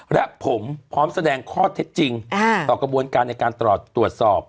และผมพร้อมแสดงข้อเท็จจริงต่อกระบวนการในการตรวจสอบ